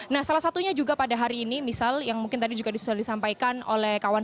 nah salah satunya juga pada hari ini misal yang mungkin tadi juga sudah disampaikan oleh kawan kawan